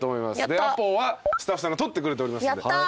でアポはスタッフさんが取ってくれておりますんで。